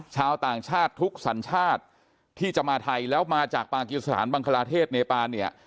ชาวต่างชาติทุกสัญชาติที่จะมาไทยแล้วมาจากปากีสถานบังคลาเทศเนปานเนี่ย